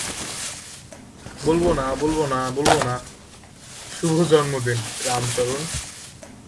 শুভ জন্মদিন রাম চরণ